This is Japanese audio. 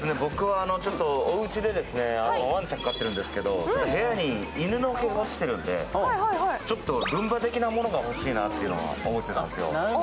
おうちでワンチャン飼ってるんですけど、部屋に犬の毛が落ちているので、ちょっとルンバ的なものが欲しいなというのを思ってたんですよ。